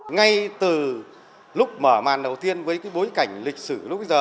ngay từ lúc mở màn đầu tiên với cái bối cảnh lịch sử lúc bây giờ